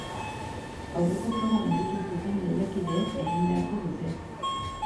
Aurreko proba gainditu ez duten lehiakideek egin beharko dute.